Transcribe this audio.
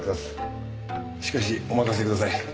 しかしお任せください。